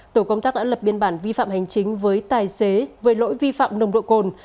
tổ công tác đã lập biên bản vi phạm hành chính với tài xế với lỗi vi phạm nồng độ cồn